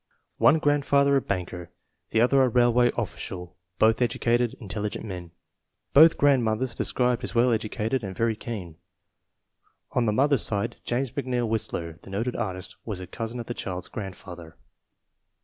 One grandfather a banker, the other a railway offi cial; both educated, intelligent men. Both grand mothers described as well educated and very keen. On the mother's side James McNeill Whistler, the noted artist, was a cousin of the child's grandfather.